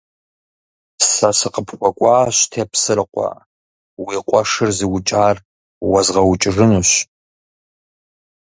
Сэ сыкъыпхуэкӀуащ, Тепсэрыкъуэ, уи къуэшыр зыукӀар уэзгъэукӀыжынущ.